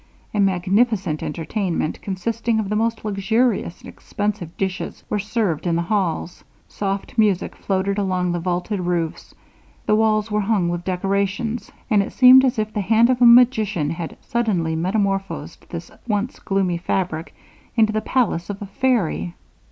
A magnificent entertainment, consisting of the most luxurious and expensive dishes, was served in the halls. Soft music floated along the vaulted roofs, the walls were hung with decorations, and it seemed as if the hand of a magician had suddenly metamorphosed this once gloomy fabric into the palace of a fairy.